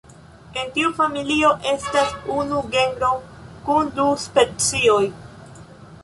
En tiu familio estas unu genro kun du specioj.